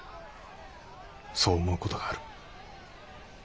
そう思う事がある。